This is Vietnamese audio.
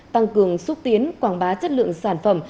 tăng cường xúc tiến quảng bá chất lượng sản phẩm